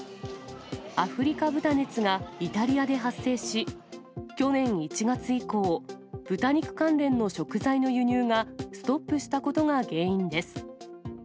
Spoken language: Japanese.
アフリカ豚熱がイタリアで発生し、去年１月以降、豚肉関連の食材の輸入がストップしたことが原因です。